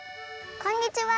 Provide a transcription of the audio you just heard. こんにちは！